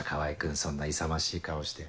そんな勇ましい顔して。